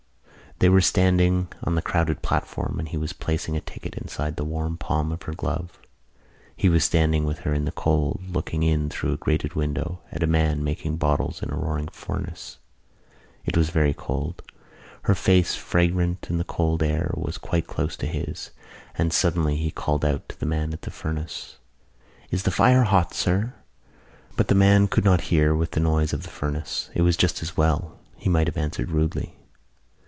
They were standing on the crowded platform and he was placing a ticket inside the warm palm of her glove. He was standing with her in the cold, looking in through a grated window at a man making bottles in a roaring furnace. It was very cold. Her face, fragrant in the cold air, was quite close to his; and suddenly he called out to the man at the furnace: "Is the fire hot, sir?" But the man could not hear with the noise of the furnace. It was just as well. He might have answered rudely.